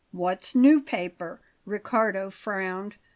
"What new paper?" Riccardo frowned.